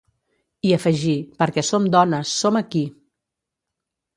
I afegí: Perquè som dones, som aquí!